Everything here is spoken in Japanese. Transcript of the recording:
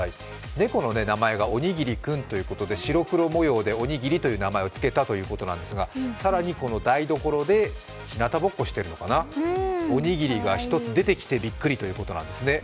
猫の名前がおにぎりくんということで白黒模様でおにぎりという名前をつけたということですが更にこの台所でひなたぼっこしてるのかな、おにぎりが１つ出てきてびっくりということなんですね。